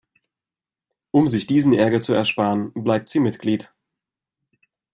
Um sich diesen Ärger zu ersparen, bleibt sie Mitglied.